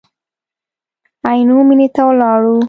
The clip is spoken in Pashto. عینو مېنې ته ولاړو.